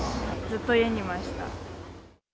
ずっと家にいました。